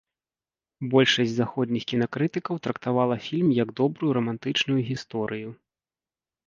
Большасць заходніх кінакрытыкаў трактавала фільм як добрую рамантычную гісторыю.